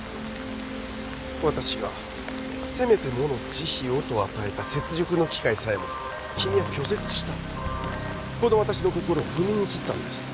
私がせめてもの慈悲をと与えた雪辱の機会さえも君は拒絶したこの私の心を踏みにじったんです